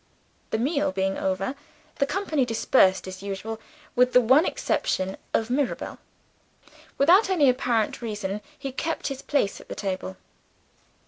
The meal being over, the company dispersed as usual with the one exception of Mirabel. Without any apparent reason, he kept his place at the table.